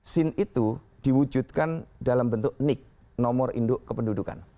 scene itu diwujudkan dalam bentuk nik nomor induk kependudukan